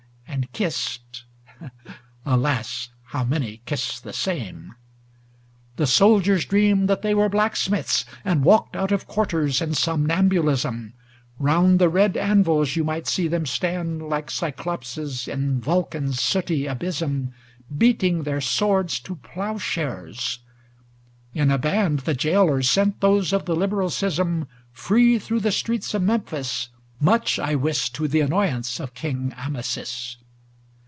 And kissed ŌĆö alas, how many kiss the same ! LXXV The soldiers dreamed that they were black smiths, and Walked out of quarters in somnambu lism; Round the red anvils you might see them stand, Like Cyclopses in Vulcan's sooty abysm. Beating their swords to ploughshares; in a band The gaolers sent those of the liberal schism Free through the streets of Memphis, ŌĆö much, I wis, To the annoyance of king Amasis.